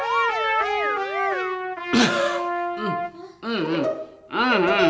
sampai jumpa lagi